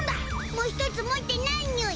もうひとつ持ってないにゅい。